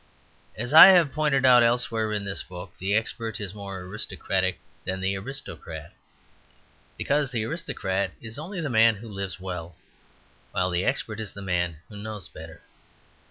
As I have pointed out elsewhere in this book, the expert is more aristocratic than the aristocrat, because the aristocrat is only the man who lives well, while the expert is the man who knows better.